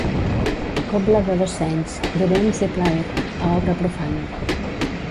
Cobla de dos senys «De béns e plaer», a Obra profana.